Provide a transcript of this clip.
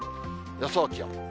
予想気温。